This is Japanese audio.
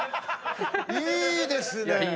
いいですね！